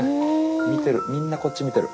見てるみんなこっち見てる。